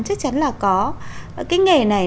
chắc chắn là có cái nghề này